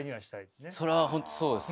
それは本当そうですね。